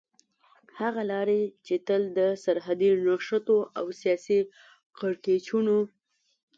هغه لارې چې تل د سرحدي نښتو او سياسي کړکېچونو